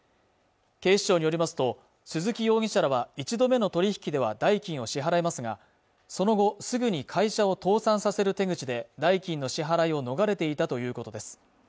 警視庁によりますと鈴木容疑者らは１度目の取引では代金を支払いますがその後すぐに会社を倒産させる手口で代金の支払いを逃れていたということです